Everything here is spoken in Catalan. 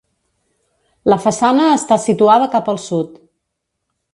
La façana està situada cap al sud.